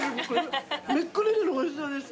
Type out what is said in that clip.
びっくりするおいしさです。